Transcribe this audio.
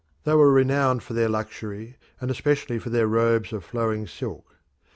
They were renowned for their luxury, and especially for their robes of flowing silk.